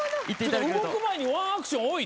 動く前にワンアクション多いで。